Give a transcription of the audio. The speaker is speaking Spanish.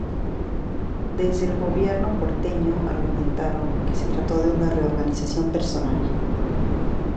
Desde el gobierno porteño argumentaron que se trató de una "reorganización de personal".